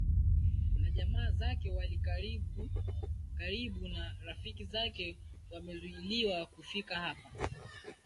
na jamaa zake wa karibu na rafiki zake wamezuiliwa kufika hapa